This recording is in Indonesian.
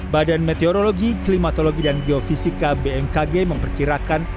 badan meteorologi klimatologi dan geofisika bmkg memperkirakan